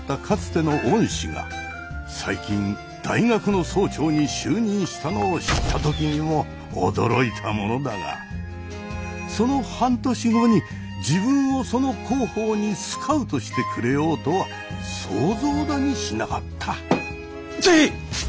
かつての恩師が最近大学の総長に就任したのを知った時にも驚いたものだがその半年後に自分をその広報にスカウトしてくれようとは想像だにしなかった。